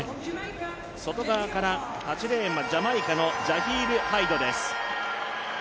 外側から、８レーンはジャマイカのジャヒール・ハイドです。